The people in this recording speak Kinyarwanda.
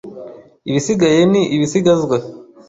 Ibisigaye ni ibisigazwa